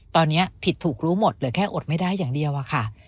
ตอนนี้ผิดถูกรู้หมดเหลือแค่อดไม่ได้อย่างเดียวอะค่ะ